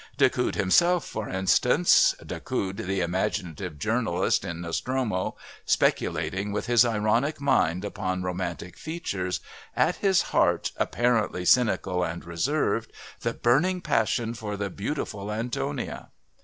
Decoud himself, for instance Decoud, the imaginative journalist in Nostromo, speculating with his ironic mind upon romantic features, at his heart, apparently cynical and reserved, the burning passion for the beautiful Antonia.